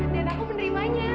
dan aku menerimanya